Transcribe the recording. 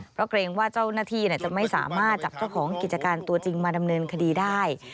เพราะเกรงว่าเจ้าหน้าที่จะไม่สามารถจับเจ้าของกิจการตัวจริงมาดำเนินคดีได้